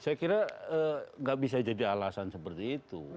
saya kira nggak bisa jadi alasan seperti itu